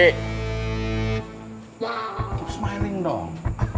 keep smiling dong